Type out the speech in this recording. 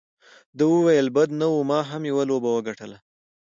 ده وویل: بده نه وه، ما هم یوه لوبه وګټله.